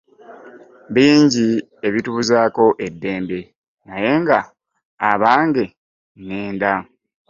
Binji ebitubuzaako eddembe naye nga abange ngenda .